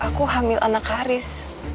aku hamil anak haris